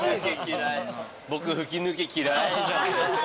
僕吹き抜け嫌い。